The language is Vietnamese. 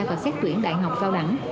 và xét tuyển đại học cao đẳng